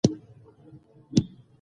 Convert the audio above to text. بدخشان د افغانستان د اقلیم ځانګړتیا ده.